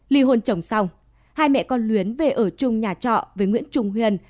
ly hôn chồng xong hai mẹ con luyến về ở chung nhà trọ với nguyễn trung huyên